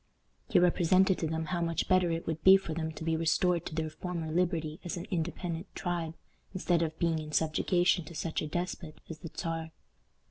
He represented to them how much better it would be for them to be restored to their former liberty as an independent tribe, instead of being in subjugation to such a despot as the Czar.